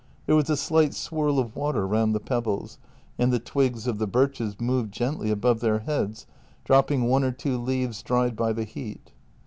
There was a slight swirl of water round the pebbles, and the twigs of the birches moved gently above their heads, dropping one or two leaves dried by the heat.